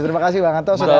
terima kasih bang anto sudah